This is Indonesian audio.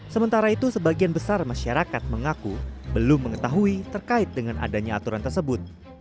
sementara itu sebagian besar masyarakat mengaku belum mengetahui terkait dengan adanya aturan tersebut